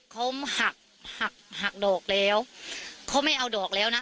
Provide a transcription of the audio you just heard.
เขาหักหักหักดอกแล้วเขาไม่เอาดอกแล้วนะ